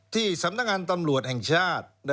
ที่สำนักงานตำรวจแห่งชาติ